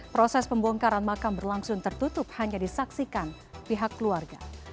proses pembongkaran makam berlangsung tertutup hanya disaksikan pihak keluarga